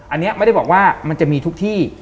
อันนี้ไม่ได้บอกว่ามันจะมีทุกที่